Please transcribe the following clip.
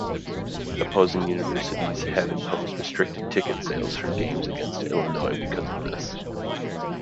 Opposing Universities have imposed restricted ticket sales for games against Illinois because of this.